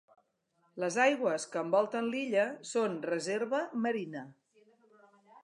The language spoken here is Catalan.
Les aigües que envolten l'illa són Reserva Marina.